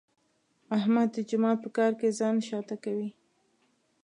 احمد د جومات په کار کې ځان شاته کوي.